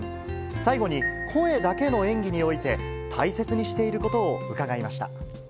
最後に声だけの演技において、大切にしていることを伺いました。